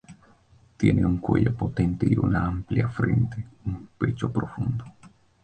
Tiene un cuello potente y una amplia frente, un pecho profundo.